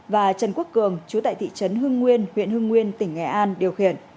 và trần quốc cường chú tại thị trấn hưng nguyên huyện hưng nguyên tỉnh bình